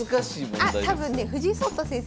あ多分ね藤井聡太先生